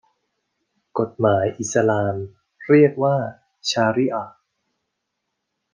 กฎหมายอิสลามเรียกว่าชาริอะฮ์